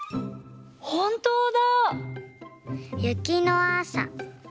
ほんとうだ！